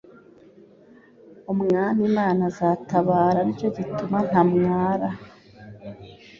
Umwami Imana izantabara nicyo gituma ntamwara,